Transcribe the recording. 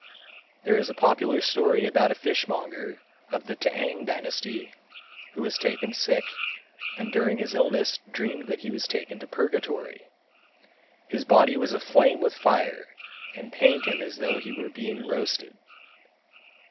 There is a popular story about a fishmonger of the T'ang dynasty who was taken sick and during his illness dreamed that he was taken to purgatory. His body was aflame with fire and pained him as though he were being roasted.